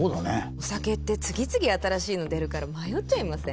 お酒って次々新しいの出るから迷っちゃいません？